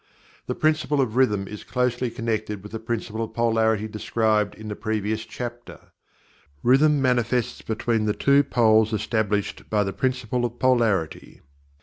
The Principle of rhythm is closely connected with the Principle of Polarity described in the preceding chapter. Rhythm manifests between the two poles established by the Principle of Polarity.